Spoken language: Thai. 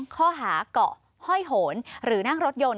ข้อหาเกาะห้อยโหนหรือนั่งรถยนต์